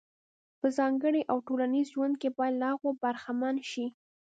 په ځانګړي او ټولنیز ژوند کې باید له هغو برخمن شي.